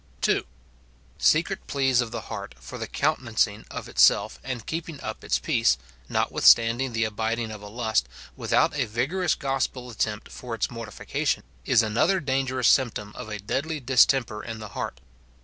2. Secret pleas of the heart for the countenancing of itself, and keeping up its peace, notAvithstanding the abiding of a lust, without a vigorous gospel attempt for its mortification, is another dangerous symptom of a deadly distemper in the heart.